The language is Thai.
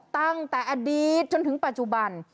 ตั้งแต่อดีตจนถึงปัจจุบัน